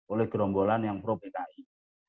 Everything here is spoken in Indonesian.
oleh gerombolan yang pro pki